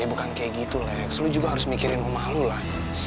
ya bukan kayak gitu lex lo juga harus mikirin omah lo lah